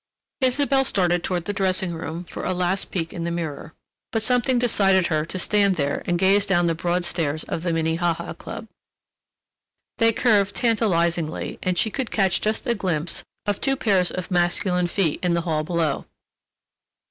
Isabelle started toward the dressing room for a last peek in the mirror, but something decided her to stand there and gaze down the broad stairs of the Minnehaha Club. They curved tantalizingly, and she could catch just a glimpse of two pairs of masculine feet in the hall below.